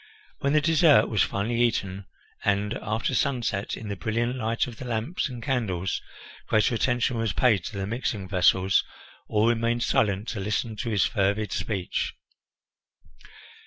When the dessert was finally eaten, and after sunset, in the brilliant light of the lamps and candles, greater attention was paid to the mixing vessels, all remained silent to listen to his fervid speech.